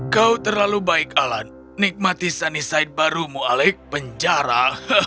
kau terlalu baik alan nikmati sunnyside barumu alec penjara